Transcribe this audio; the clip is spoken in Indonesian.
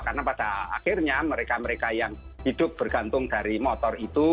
karena pada akhirnya mereka mereka yang hidup bergantung dari motor itu